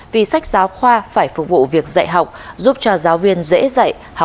vì sách giáo khoa phải phục vụ việc dạy học giúp cho giáo viên dễ dạy